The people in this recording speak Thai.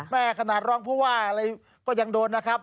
ขนาดรองผู้ว่าอะไรก็ยังโดนนะครับ